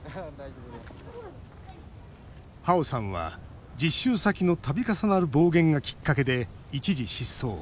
ハオさんは実習先のたび重なる暴言がきっかけで一時失踪。